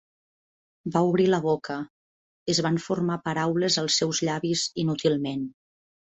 Va obrir la boca; es van formar paraules als seus llavis inútilment.